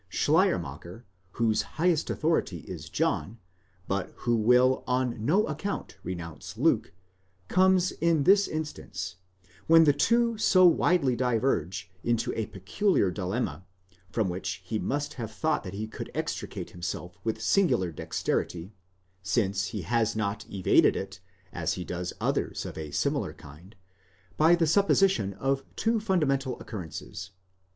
Schleiermacher, whose highest authority is John, but who will on no account renounce Luke, comes in this instance, when the two so widely diverge, into a peculiar dilemma, from which he must have thought that he could extricate himself with singular dexterity, since he has not evaded it, as he does others of a similar kind, by the supposition of two fundamental occurrences.